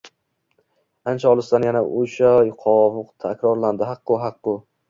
ancha olisdan yana o'sha tovush takrorlandi: «Haq-qu, haq-qu...»